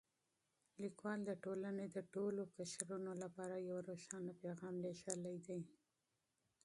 لیکوال د ټولنې د ټولو قشرونو لپاره یو روښانه پیغام لېږلی دی.